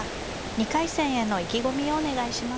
２回戦への意気込みをお願いします。